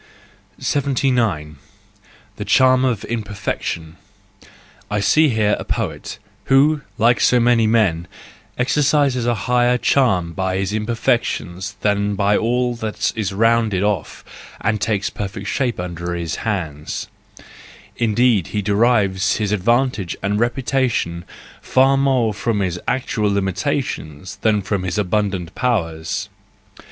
79 The Charm of Imperfection .—I see here a poet, who, like so many men, exercises a higher charm by his imperfections than by all that is rounded off and takes perfect shape under his hands,—indeed, he derives his advantage and reputation far more from his actual limitations than from his abun¬ dant powers.